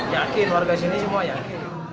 yakin warga sini semua yakin